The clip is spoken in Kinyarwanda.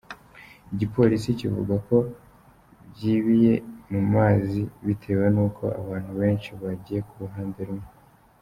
Igipolisi kivuga ko bwibiye mu mazi bitewe nuko abantu benshi bagiye ku ruhande rumwe.